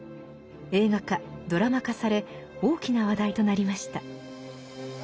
映画化ドラマ化され大きな話題となりました。